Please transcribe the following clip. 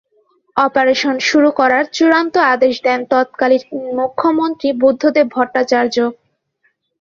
Operation শুরু করার চূড়ান্ত আদেশ দেন তৎকালীন মুখ্যমন্ত্রী বুদ্ধদেব ভট্টাচার্য।